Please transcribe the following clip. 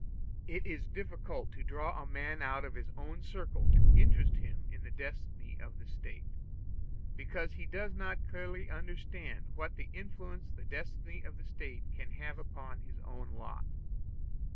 It is difficult to draw a man out of his own circle to interest him in the destiny of the State, because he does not clearly understand what influence the destiny of the State can have upon his own lot.